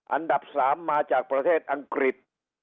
อันดับ๓มาจากประเทศอังกฤษ